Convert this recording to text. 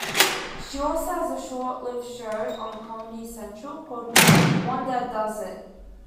She also had a short-lived show on Comedy Central called "Wanda Does It".